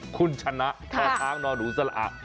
คุณชนะชอช้างนอหนูสร้า